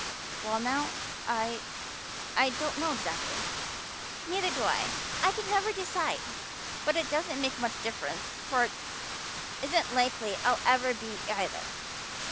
"Well now, I I don't know exactly." "Neither do I. I can never decide. But it doesn't make much real difference for it isn't likely I'll ever be either.